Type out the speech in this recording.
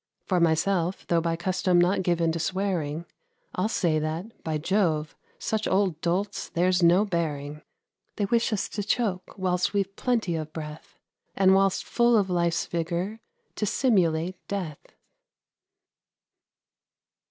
For myself, though by custom not given to swearing, I'll say that, by Jove, such old dolts there's no bearing; They wish us to choke whilst we've plenty of breath, And whilst full of life's vigour to simulate death.